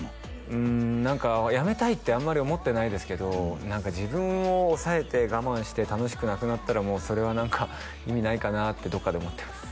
うん何かやめたいってあんまり思ってないですけど何か自分を抑えて我慢して楽しくなくなったらそれは何か意味ないかなってどっかで思ってます